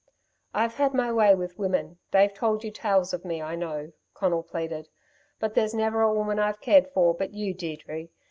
"I've had my way with women. They've told you tales of me, I know," Conal pleaded. "But there's never a woman I've cared for but you, Deirdre.